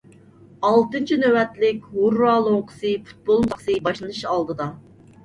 ئالتىنچى نۆۋەتلىك «ھۇررا» لوڭقىسى پۇتبول مۇسابىقىسى باشلىنىش ئالدىدا.